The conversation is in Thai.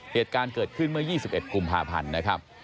เหตุการณ์เกิดขึ้นเมื่อ๒๑กุมภาพันธ์นะครับ